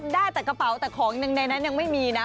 ได้แต่กระเป๋าแต่ของหนึ่งในนั้นยังไม่มีนะ